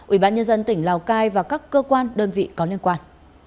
ủy ban nhân dân tỉnh lào cai và các cơ quan đơn vị có liên quan